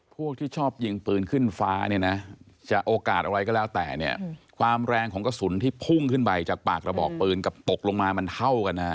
พวกที่ชอบยิงปืนขึ้นฟ้าเนี่ยนะจะโอกาสอะไรก็แล้วแต่เนี่ยความแรงของกระสุนที่พุ่งขึ้นไปจากปากระบอกปืนกับตกลงมามันเท่ากันนะฮะ